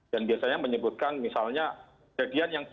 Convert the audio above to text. dan biasanya menyebutkan misalnya